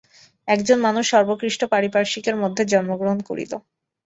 একজন মানুষ সর্বোৎকৃষ্ট পারিপার্শ্বিকের মধ্যে জন্মগ্রহণ করিল।